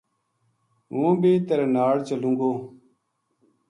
ہوں بی تیرے ناڑ چلوں گو‘‘